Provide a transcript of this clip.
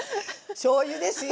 しょうゆですよ。